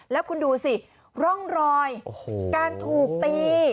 แล้วคุณดูสิร่องรอยการถูกตี